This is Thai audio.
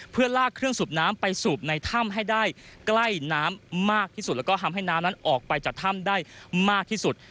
เพื่อลากเครื่องสูบน้ำไปสูบในถ้ำให้ได้ใกล้น้ำมากที่สุดแล้วก็ทำให้น้ำนั้นออกไปจากถ้ำได้มากที่สุด